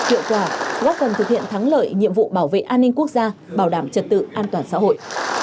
hiệu quả góp phần thực hiện thắng lợi nhiệm vụ bảo vệ an ninh quốc gia bảo đảm trật tự an toàn xã hội